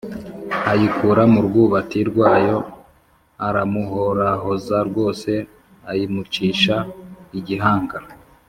ayikura mu rwubati rwayo aramuhorahoza rwose, ayimucisha igihanga.